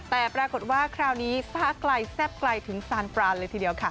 แต่ปรากฏว่าคราวนี้ผ้าไกลแซ่บไกลถึงซานปรานเลยทีเดียวค่ะ